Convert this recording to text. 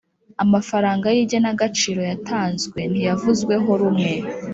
amafaranga y igenagaciro yatanzwe ntiyavuzweho rumwe